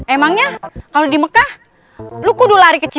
emangnya kalau di mekah lo kudu lari kecil